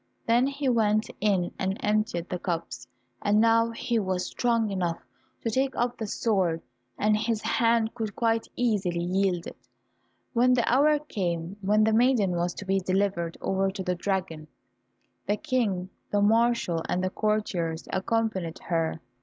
Then he went in and emptied the cups, and now he was strong enough to take up the sword, and his hand could quite easily wield it. When the hour came when the maiden was to be delivered over to the dragon, the King, the marshal, and courtiers accompanied her.